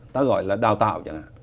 ta gọi là đào tạo chẳng hạn